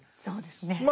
そうですね。